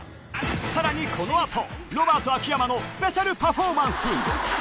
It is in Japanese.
さらにこのあと、ロバート・秋山のスペシャルパフォーマンス。